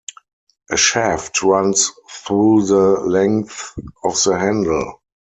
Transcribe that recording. A shaft runs through the length of the handle.